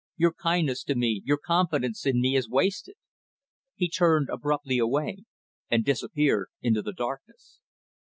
Your kindness to me, your confidence in me, is wasted." He turned abruptly away and disappeared in the darkness.